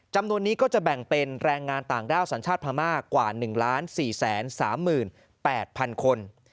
จำนวนนี้ก็จะแบ่งเป็นแรงงานต่างด้าวสัญชาติพม่ากว่า๑๔๓๘๐๐๐คน